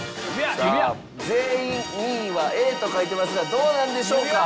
さあ全員２位はＡと書いてますがどうなんでしょうか？